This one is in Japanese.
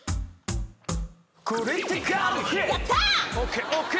ＯＫＯＫ！